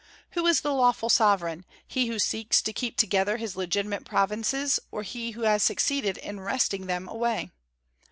Who is the lawful sovereign, he who seeks to keep together his legitimate provinces, or he who has succeeded in wresting them away?